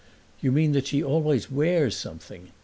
"You mean that she always wears something?